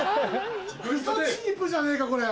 クソチープじゃねえかこれ。